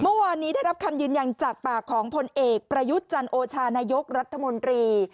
เมื่อวานนี้ได้รับคำยืนยันจากปากของพลเอกประยุทธ์จันโอชานายกรัฐมนตรี